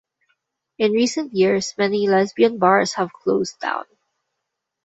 In recent years many lesbian bars have closed down.